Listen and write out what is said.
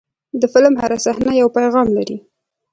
د فلم هره صحنه یو پیغام لري.